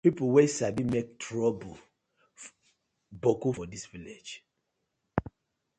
Pipu wey sabi mak toruble boku for dis villag.